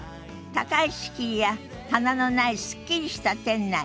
高い敷居や棚のないすっきりした店内。